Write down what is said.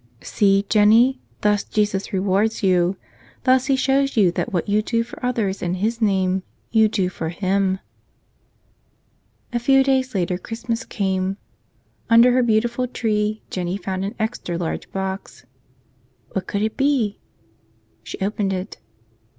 "See, Jennie, thus Jesus rewards you. Thus He shows you that what you do for others in His name you do for Him." A few days later Christmas came. Under her beau¬ tiful tree Jennie found an extra large box. What could it be? She opened it.